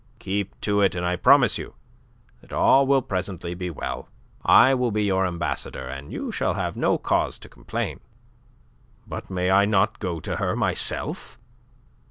Keep to it, and I promise you that all will presently be well. I will be your ambassador, and you shall have no cause to complain." "But may I not go to her myself?"